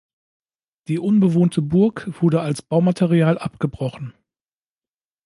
Die unbewohnte Burg wurde als Baumaterial abgebrochen.